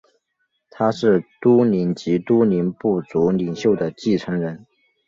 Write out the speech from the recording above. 他是都灵及都灵部族领袖的继承人。